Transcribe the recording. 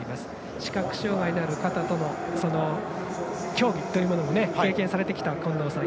視覚障がいのある方との競技というものも経験されてきた近藤さん。